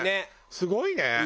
すごいね。